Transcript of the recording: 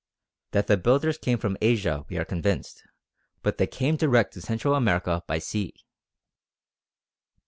That the builders came from Asia we are convinced; but they came direct to Central America by sea.